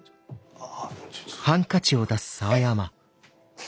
ああ。